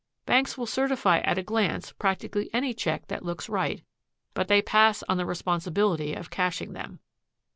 Banks will certify at a glance practically any check that looks right, but they pass on the responsibility of cashing them.